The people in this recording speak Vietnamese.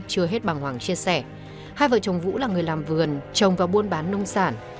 chưa hết bằng hoàng chia sẻ hai vợ chồng vũ là người làm vườn trồng và buôn bán nông sản